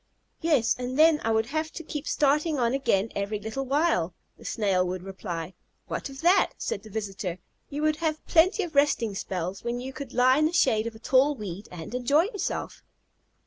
"Yes, and then I would have to keep starting on again every little while," the Snail would reply. "What of that?" said the visitor; "you would have plenty of resting spells, when you could lie in the shade of a tall weed and enjoy yourself."